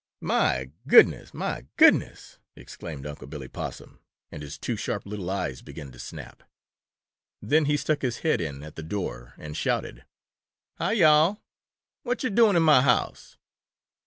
"Mah goodness! Mah goodness!" exclaimed Unc' Billy Possum, and his two sharp little eyes began to snap. Then he stuck his head in at the door and shouted: "Hi, yo'all! What yo' doing in mah house?"